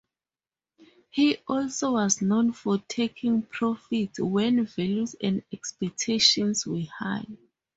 He also was known for taking profits when values and expectations were high.